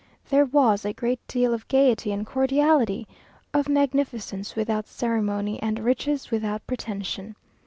There was a great deal of gaiety and cordiality, of magnificence without ceremony, and riches without pretension.